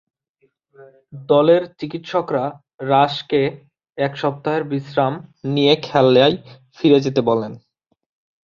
দলের চিকিৎসকরা রাশকে এক সপ্তাহের বিশ্রাম নিয়ে খেলায় ফিরে যেতে বলেন।